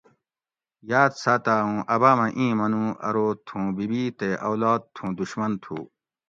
یاد ساتاۤ اُوں اۤبامہ اِیں منو ارو تھوں بی بی تے اولاد تھوں دشمن تھو